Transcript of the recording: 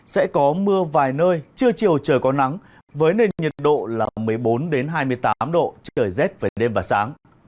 sẽ có mưa vài nơi trưa chiều trời có nắng với nền nhiệt độ là một mươi bốn hai mươi tám độ trời rét về đêm và sáng